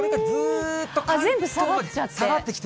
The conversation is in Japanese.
全部下がっちゃって。